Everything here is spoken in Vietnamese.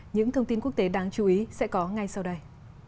những thông tin quốc tế đáng chú ý sẽ có ngay sau đây